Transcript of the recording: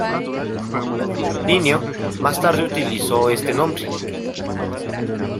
Linneo más tarde utilizó este nombre.